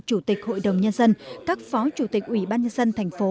chủ tịch hội đồng nhân dân các phó chủ tịch ủy ban nhân dân thành phố